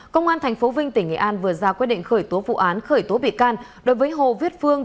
công an tp vinh tỉnh nghệ an vừa ra quyết định khởi tố vụ án khởi tố bị can đối với hồ viết phương